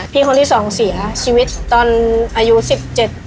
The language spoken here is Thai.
คนที่สองเสียชีวิตตอนอายุสิบเจ็ด